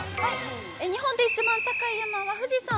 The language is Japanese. ◆日本で一番高い山は富士山！